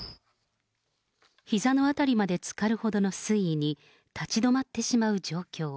ひざの辺りまでつかるほどの水位に立ち止まってしまう状況。